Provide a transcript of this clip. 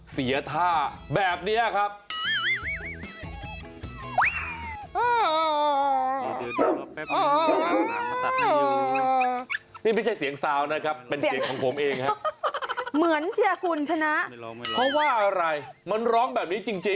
เสียหมายังมีเหมือนเสียหมานะครับ